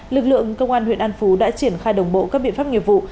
lực lượng công an huyện an phú đã triển khai đồng bộ các biện pháp nghiệp vụ